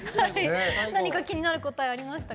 何か気になる答えありますか？